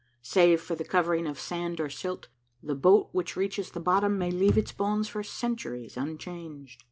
Save for the covering of sand or silt, the boat which reaches the bottom may leave its bones for centuries unchanged."